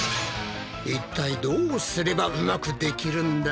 いったいどうすればうまくできるんだ？